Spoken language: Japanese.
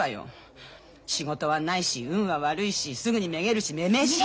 仕事はないし運は悪いしすぐにめげるし女々しいし。